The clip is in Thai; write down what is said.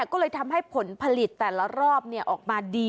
ก็ทำให้ผลผลิตออกออกมาดี